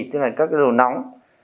tức là các đồ nóng